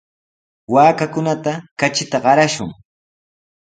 Waakakunata katrinta qarashun.